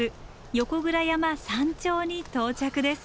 横倉山山頂に到着です。